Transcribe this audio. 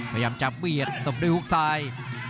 พยายามจะเปียดตบโดยหุ้กซ้าย